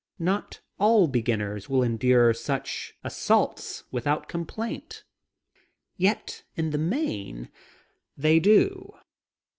Not all beginners will endure such assaults without complaint. Yet in the main they do.